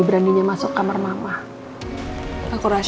jangan sampai lolos